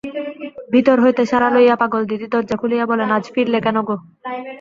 ভিতর হইতে সাড়া লইয়া পাগলদিদি দরজা খুলিয়া বলেন, আজ ফিরলে কেন গো?